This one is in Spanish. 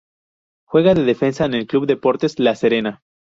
Juega de defensa en el club Deportes La Serena.